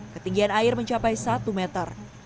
ketinggian air mencapai satu meter